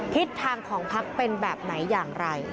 ทิศทางของพักเป็นแบบไหนอย่างไร